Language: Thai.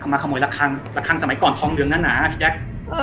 เขามาขโมยระครั้งระครั้งสมัยก่อนท้องเหลืองหน้านาพี่แจ๊ก